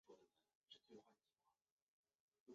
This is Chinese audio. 曾祖父刘寿一。